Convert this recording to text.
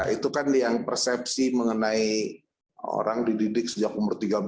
itu kan yang persepsi mengenai orang dididik sejak umur tiga belas